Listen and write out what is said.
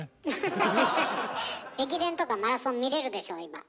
駅伝とかマラソン見れるでしょ今。